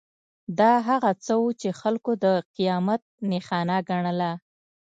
دا هغه څه وو چې خلکو د قیامت نښانه ګڼله.